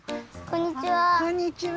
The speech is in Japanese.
こんにちは。